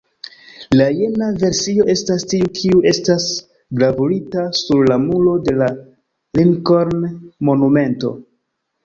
La jena versio estas tiu kiu estas gravurita sur la muro de la Lincoln-monumento.